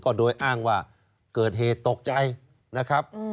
โดยอ้างว่าเกิดเหตุตกใจนะครับ